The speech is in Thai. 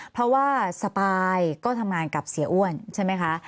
เพราะว่าสปายก็ทำงานกับเสียอ้วนใช่ไหมคะ